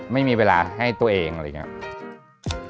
ไม่มีเวลาให้ตัวเองอะไรอย่างนี้